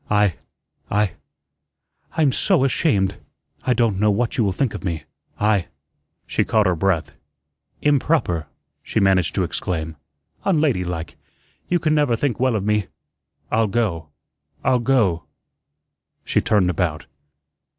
I I I'm SO ashamed! I don't know what you will think of me. I " she caught her breath "improper" she managed to exclaim, "unlady like you can never think well of me I'll go. I'll go." She turned about.